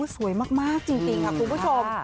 สวยมากจริงค่ะคุณผู้ชม